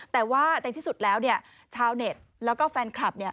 แต่ว่าในที่สุดแล้วชาวเน็ตแล้วก็แฟนคลับ